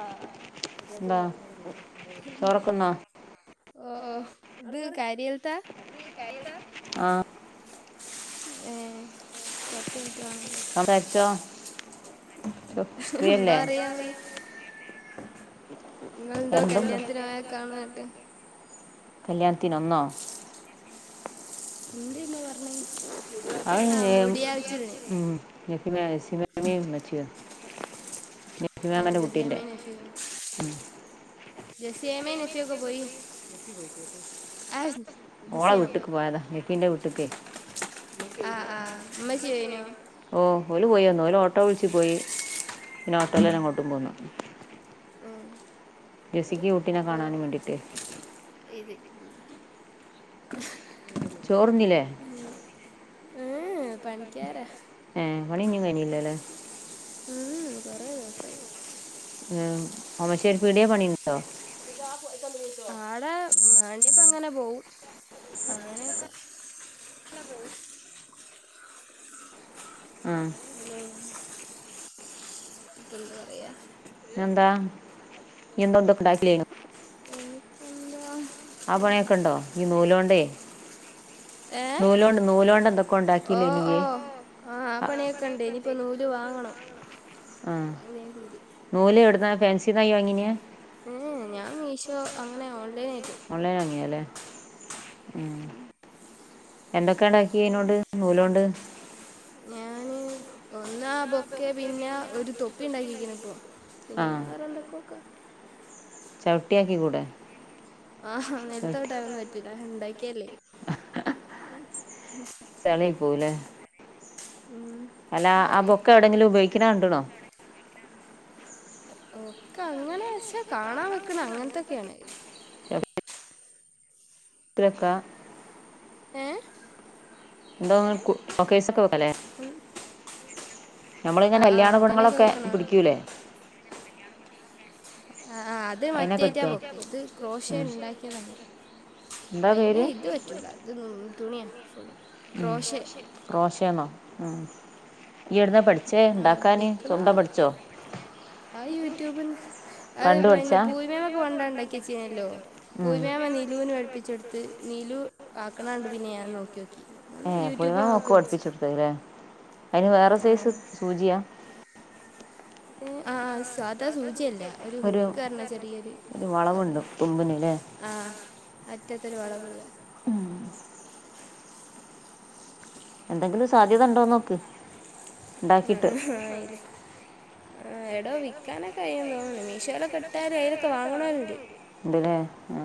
ആഹ്! [unintelligible] ആഹ് ഏഹ് സംസാരിച്ചോ പ്പ ഫ്രിയല്ലേ? [unintelligible] കല്യാണത്തിന് ഇന്നോ? ന്തെ ഇമ്മ പർണേ? ആഹ് മുടി ആൾച്ച്ൽന് [unintelligible] ജസേമിം നെസിയോക്കെ പോയി ഓളെ വീട്ട്ക്ക് പോയതാ നിഫിന്റെ വീട്ട്ക്കെ ആഹ് ഇമ്മച്ചി പോഴിനോ? ഓ ഓല് പോയി വന്നു ഓല് ഓട്ടോ വിളിച്ച് പോയി പിന്നെ ഓട്ടോലെന്നെ ഇങ്ങോട്ടും പോന്നു. ഉം ജെസിക്ക് കുട്ടിനെ കാണാനും വേണ്ടിട്ട് ചോറ്ന്നില്ലേ? ഹ് ഹ് പണിക്കാരാ ഏഹ് പണി ഇഞ്ഞും കഴിഞ്ഞില്ലല്ലേ? ഉം ഉം കൊറെ ദിവസായി ഉം ഓമഷേരി പിടെ പണിണ്ടോ? ആടെ മഹ് രിബ് ഇങ്ങനെ പോവും അങ്ങനെയൊക്കെ [unintelligible] പോവും ഹലോ പ്പ എന്താ പറയാ എന്താ ആഹ് പണിക്കെ ഉണ്ടോ? ഈ നൂലോണ്ടെ ഏഹ് ഓ ഓ ആഹ് പണിയൊക്കെ ഇണ്ടയ്നി ഇഞ് പ്പോ നൂൽ ത് വാങ്ങണം. ആഹ് നൂല് എവ്ട്ന്നാ ഫേൻസിന്നാ ന്നി വാങ്ങിനേ? ഹ് ഹ് ഞാൻ മിശോ, അങ്ങനെ ഓ ഓൺലൈന്ന് വാങ്ങിയാലെ? ഉം എന്തൊക്കെ ഇണ്ടാക്കി എയ്നോണ്ട് നൂലോണ്ട്? ഒന്നാ ബൊക്കെ പിന്നെ ഒരു തൊപ്പി ഇണ്ടാക്കിക്ണ് പ്പൊ പിന്നെ വേറെ എന്തൊക്കോ ക്ക ചവിട്ട്യാക്കി കൂടെ? ആഹ് ഹാ നെൽത്ത് തവ്ട്ടാനൊന്നും പറ്റൂല ഇണ്ടാക്കിയല്ലേ ചളി ആയി പോവും ല്ലേ? അല്ല ആ ബൊക്ക എവിടെങ്കിലും ഉപയോഗിക്ക്‌ണ് കണ്ട്ണോ? ഒക്കെ അങ്ങനെച്ചാ കാണാൻ വക്ക്‌ണെ അങ്ങൻത്തൊക്കെണ് ട്ട് വെക്ക ഏഹ് ന്തോ ഷൊകൈസൊക്കെ വെകലെ ഞമ്മള് ഇങ്ങനെ കല്യാണ ഗുണങ്ങളൊക്കെ പിടിക്കൂലേ ആഹ് ആഹ് അത് മറ്റേറ്റാ ബൊക്കെ ഇത് ക്രോഷിയെ ഇണ്ടാക്കിയതാണ് അയിന് ഇത് പറ്റൂല ഇത് തുണിയാ ദോശ ആണൊ നീ ഇരുന്ന് പടി ഉണ്ടാക്കാനേ സ്വന്തം പഠിച്ചോ ആ യൂട്യൂബ്ന്ന് അത് പിന്നെ പൂമേമക്കെ വണ്ട ഉണ്ടാക്കിയച്ചീനല്ലോ പൂമേമ നിലൂന് പ്പിച്ചെടുത്ത് [unintelligible] നീലു ആക്കണുണ്ട് പിന്നെ ഞാൻ നോക്കി വച്ചു ഏ പോയിവ നോക്ക് പഠപ്പിച്ചുടുത്തല്ലേ [unintelligible] അതിന് വേറെ സൈസ് സൂചിയാ ആഹ സാധാ സൂചിയല്ല ഒരു ഹുക്ക് പറരണ ചെറിയൊരു സാധന ആ പറ്റാത്തൊരു വളവില്ല [unintelligible] ഉം [unintelligible] എന്തെങ്കിലും സാധ്യത ഉണ്ടോ നോക്ക് ഉണ്ടാക്കിട്ട് ആ എടോ വിൽക്കാനൊക്കെ അയ്യന്ന് തോന്നണേ മീഷോയില ക ഇട്ടാല് അതിലൊക്കെ വാങ്ങണല്ലേ ഉണ്ട്ല്ലേ ആ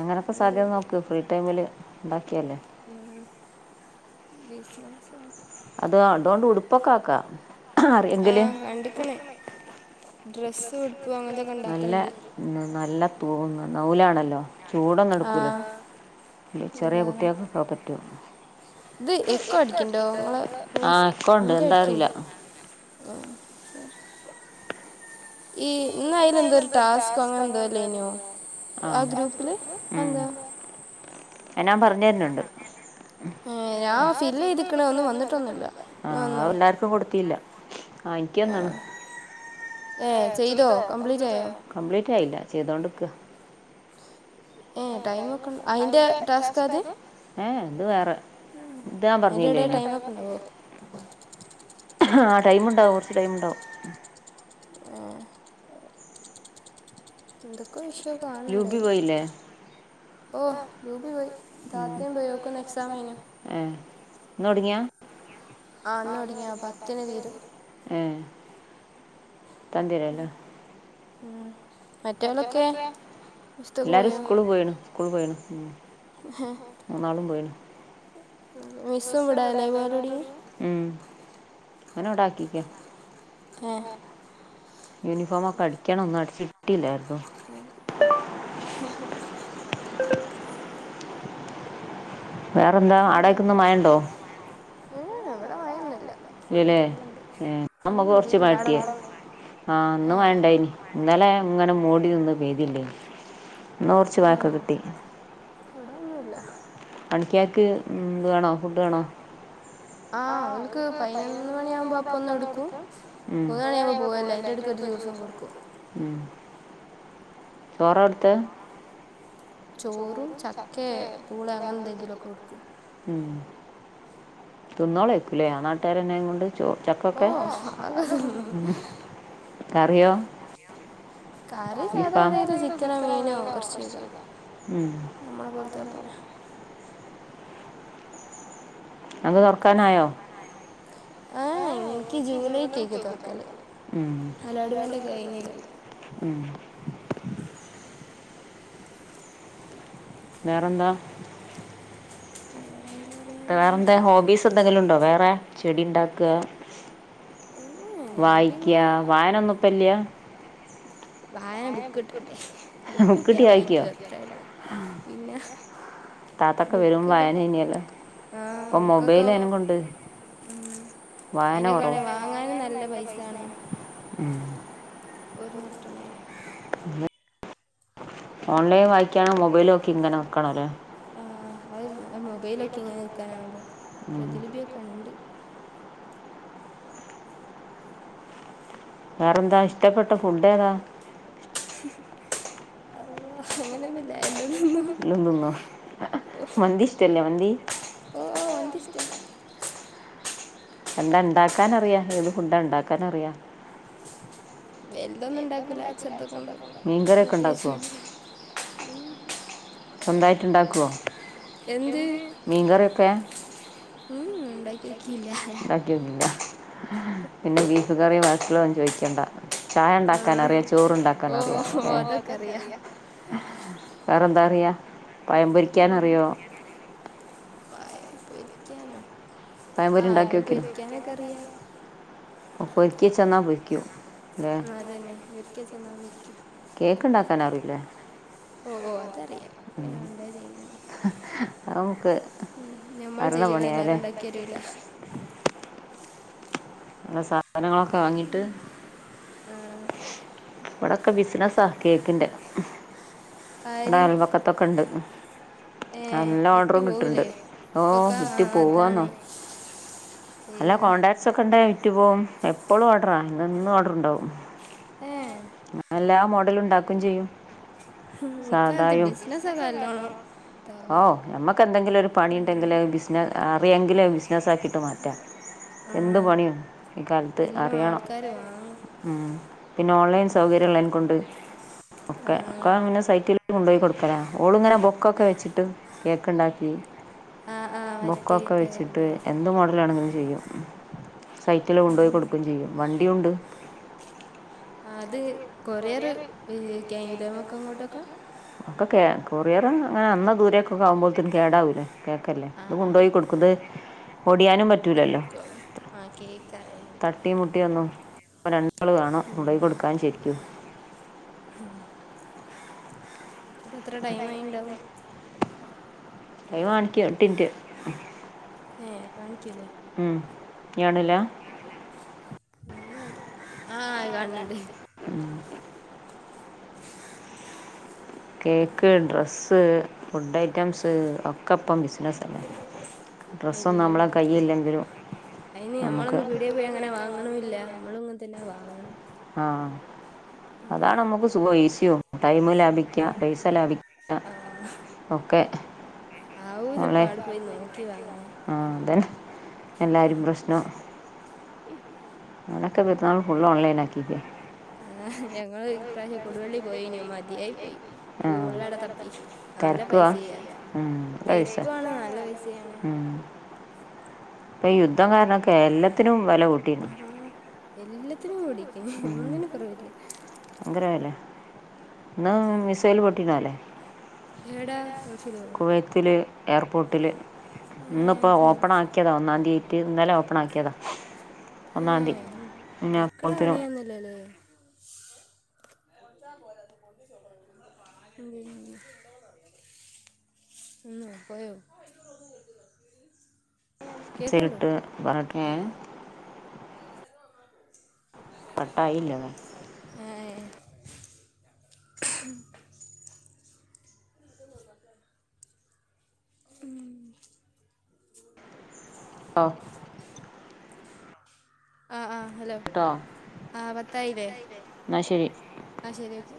എങ്ങനെയൊക്കെ സാധ്യ നോക്ക ഫ്രീ ടൈമില് ഉണ്ടാക്കിയല്ലേ ബജിനസ്ക്ക [unintelligible] അത് അതുകൊണ്ട് ഉടുപ്പൊക്കെ ആക്കാ അറിയാങ്കിലെ - ഡ്രസ്സ ഉഡ് [unintelligible] നല്ല നല്ല നൂൽലാണല്ലോ ചൂടൊന്നും എടുക്കൂല ചെറിയ കുട്ടികൾക്കക്ക പറ്റുമ ആഹ എക്കണ്ട് എന്താ അറിയില്ല ആ ശരി ഈ എന്ന അതില എന്തോ ഒരു ടാസ്ക് അങ്ങനെ എന്തോല്ല ഇനോ ആ ഗ്രൂപ്പില് എന്താ- ഞാൻ പറഞ്ഞു തരുന്നുണ്ട് ആ എല്ലാർക്കും കൊടുത്തില്ല ആ എനക്ക്ന്നാണ് ഏ ചെയ്തോ കംപ്ലീറ്റ് ആയില്ല ചെയ്തോണ്ട്ക്ക് അ എന്ത് വേറെ ഇതാ പറഞ്ഞില്ലേന ടൈംണ്ടാവും കുറച്ച് ടൈംണ്ടാവും ആ എന്തൊക്കെ വിഷയോ കാണണണ്ടായില് ഓ രൂപി പോയി രാത്രി പോയി നോക്കന്ന് എക്സാം കഴഞ്ഞ- തൊടങ്ങിയ ഏ ത തരാല്ലോ ആ എല്ലാരും സ്കൂള് പോയിണ് സ്കൂള് പോയിണ് മന്നളും പോയിന [unintelligible] വിസ കടല്ല മേറെട [unintelligible] അങ്ങനെ ഉണ്ടാക്കിക്ക യൂണിഫോം ഒക്കെ അടിക്കണം ഒന്നും അടിച്ചിട്ടില്ലായിരുന്നു അ വേറെ എന്താ അവിടെക്കൊന്നും മഴണ്ടോ ഇവി മഴന്നില്ല ഫുള്ള് തെളിവുണ്ട് ഉ തീരെല്ലാടണ്ടോ ആഹ് അന്നും വേണ്ട ഇനി ഇന്നലെ ഇങ്ങനെ മോടി നിന്നന്ന് പെയ്തില്ലേ ഹം ഇവിടൊന്നുമല്ല പണിക്കർക്ക് ഇത് വേണോ ഫുഡ് വേണോ ആഹ അവർക്ക് പതിനൊന്ന് മണിയ ആവുമ്പോ അപ്പ ഒന്നും എടുക്കും മൂന്ന മണിയ ആവുമ്പോ പോവല്ലോ അന്റെ [unintelligible] ഒരു ദിവസം കൊടുക്കും ഉം ചോറ എടുത്ത് ചോറും ചക്കെ കൂട അങ്ങ എന്തങ്കില തിുന്നോളക്കൂലേ നാട്ടുകാര എന്നെയ കൊണ്ട് ചോ ചക്കക്ക ഉ അറയോ കറി സാധാണ എന്തെങ്കിലും ചിക്കനോ മീനോ ഉറച്ച വെക്ക നഞമ്മഴ ബൽത്തെര അത് തുറക്കാനായോ നോറ്റി ജൂല കേക്ക തക്കല് അല്ലാടുംണ്ട ഉം നേേരന്ത കാരണംന്ത വേറെന്താ ഹോബീസ് എന്തെങ്കിലും ഉണ്ടോ വേറെ ചെടി ഉണ്ടാക്കുക വായിക്ക വായന ഒന്ന ഇപ്പല്ല വായന ബുക്ക് കിട്ടണ്ടേ ബുക്ക് കിട്ടിയാ വായിക്ക അത്രേയ ഉള്ളു പിന്നെ താത്തൊക്കെ വരുമ്പോ വായന ഇനല്ലോ ഇപ്പൊ മൊബൈല്നെ കൊണ്ട് ഉം അയിനൊക്കണ വാങ്ങാന നല്ല പൈസണ ഉം ഒരു നേട്ടണായി ഓൺലൈൻ വായിക്കണോ മൊബൈല ഒക്കെ ഇങ്ങനെ നോക്കണ അല്ലേ അത് മൊബൈലൊക്കെ ഇങ്ങനെ നിൽക്കാനാവില്ല പ്രതിലിപിയൊക്കെ ഉണ്ട് വേറെന്താ ഇഷ്ടപ്പെട്ട ഫുഡ ഏതാ അ അങ്ങനെ ല മന്ദിഷ്ടല്ലേ മന്ന്ദി ഓ വന്ിഷേ എന്താ ഉണ്ടാക്കാനറിയാ ഏത് ഫുഡ ഉണ്ടാക്കാനറിയാ വലുതൊന്നും ഉണ്ടാക്കൂില്ല ചെറുതൊക്കെ ഉണ്ടാക്കും പ്രത്യേകിച്ച സ്വന്തായിട്ട്ുണ്ടാക്കുവോ മീൻകറിയൊക്കെ ഉണ്ടാക്കിയൊന്നില്ല പിന്നെ ബീഫ് കറി വക്കുള്ള ചോയ്ിക്കണ്ട ചായ ഉണ്ടാക്കാൻറിയാം ചോറണ്ടാക്കൻറിയാം വേറെ എന്താറിയാ പയം ഭൊരിക്കൻറിയോ പായം പൊരിക്കാനോ ആയലും പൊരിക്കാനൊക്കെ അറിയാ പൊക്കിയ ചെന്നാ പൊക്കും അതന്നെ ഒരിക്കാ ചെന്നൽ വിരിക്ക അല്ലേ ഓ ഓ അതറിയാം പിന്നെ വേണ്ട ചെയ്യണല്േ നഞമ്മൾ ചെയ്യണം എല്ലാരും ഉണ്ടാക്കിരല്ല നല്ല സാധനങ്ങളൊക്കെ വാങ്ങീട്ട് ഇവിടെൊക്കെ ബിസിനസ്സ ആ കേക്കിന്റെ ഇവിടെ അൽവക്കത്തൊക്കെ ഉണ്ട് ഏർ വിറ്റ പോോവലേ ഇപ്പൊക്ക അതാണ് അല്ല കോൺടാക്ട്സ് ഒക്കെ ഉണ്ട വിറ്റു പോകവും എപ്പോഴും ഓർഡറാ ഇന്നൊന്നന്ന് ഓർഡർുണ്ടാാവും ന എല്ലാ മോഡലും ഉണ്ടാക്കും ചെയ്യും ഇക്കല്ത്തെ ബിസനസ കലോണോ ഓ നമ്മക്കെന്തെങ്കിലൊരു പണി ഉണ്ടെങ്കില് ബിസിന അറിയെങ്കില് അത് ബിസിനസാ ക്കീട്ട് മാറ്റാം എന്ത് പണിയും ഈ കാലത്ത് അറിയണം ഉം.. പിന്നെ ഓൺലൈൻ സൗകര്യം ഇള്ളേനെ ക്കൊണ്ട് ഒക്കെ ഒക്ക പിന്നെ സൈറ്റിൽക്ക് കൊണ്ടോയി കൊടുക്കലാണ് ഓളിങ്ങനെ ബൊക്കൊക്കെ വെച്ചിട്ട് കേക്ക് ഉണ്ടാക്കി ബൊക്കൊക്കെ വെച്ചിട്ട് എന്ത് മോഡലാണെങ്കിലും [unintelligible] സൈറ്റില് കൊണ്ടോയി കൊടുക്കും ചെയ്യും വണ്ടിയുണ്ട് അത് കൊറിയറ് [unintelligible] ഇങ്ങോട്ടക്കെ ഒക്കെ കേ കൊറിയറ് [unintelligible] അന്ന ദൂരേക്കൊക്കെ ആവുമ്പോത്തിന് കേടാവൂല്ലേ കേക്കല്ലേ ഇത് കൊണ്ടോയി കൊടുക്കുംത് ഓടിയാനും പറ്റൂലല്ലോ തട്ടി മുട്ടിയ ഒന്നും. അപ്പ രണ്ടാള് കാണും [unintelligible] കൊടുക്കാൻ ശരിക്കും ഇപ്പൊ എത്ര ടൈം ആയി ഉണ്ടാവും അൈ വണിക്കട്ടിന്റെ [unintelligible] ഏഹ് കാണിക്കുല്ലേ ഇയ്യാണ്ല്ലാ ഉം ആഹ് അഹ് കാൻണണ്ട് ഉം പ്പ് ഫുഡ് ഐറ്റംസ് ഒക്കെപ്പം ബിസിനസ്സല്ലെ ഡ്രസ്സൊന്നും അമ്മളെ കയ്യില്ലെങ്കിലും അയിന് നമ്മളൊന്ന് പീടിയെ പോയി അങ്ങനെ വാങ്ങ്ണൂല്ലാ അമ്മളും ഇങ്ങൻത്തന്നെ വാങ്ങ്ണെ ആഹ് അതാണ് നമ്മുക്ക് സുഖം [unintelligible] ടൈമ് ലാഭിക്ക്യാ പൈസ ലാഭിക്ക ഒക്കെ മോളെ [unintelligible] ആഹ് അതന്നെ എല്ലാരും പ്രശ്നം ഞാനൊക്കെ പെരുന്നാള് ഫുള്ള് ഓൺലൈൻ ആക്കീക്കാ ആ ഞങ്ങള് ഇപ്രാവശ്യം കൊടുവള്ളി പോയിനി മതിയായി പോയി ഫുള്ളാടെ തപ്പി ആഹ് നല്ല പൈസയാ തെര്ക്കു ആണ് നല്ല പൈസയാണ് ഇപ്പ ഈ യുദ്ധം കാരണം കെ എല്ലത്തിനും വെല കൂട്ടീണ് എല്ലത്തിനും കൂടിക്കണ് ഒന്നിനും കുറവില്ല ങ്കര വെലെ ഇന്നാൾ മിസൈല് പൊട്ടീനോല്ലേ കുവൈത്തില് എയർപോർട്ടില് ഇന്ന്പ്പൊ ഓപ്പണാക്കിയതാ ഒന്നാതിയേയ്റ്റ് ഇന്നലെ ഓപ്പണാക്കിയതാ ഒന്നാന്തി ഞ്ഞ് അപ്പോള്ത്തിനും ഉം വന്ന് പോയോ മിക്സിലിട്ട് [unintelligible] പട്ടായി ഇല്ലതാ ഉം ആഹ് ആഹ് ആഹ് ഹലോ ആഹ് പത്തായിലേ എന്നാ ശരി ആഹ് ശരി ഓക്കെ